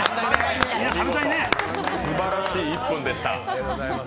すばらしい１分でした。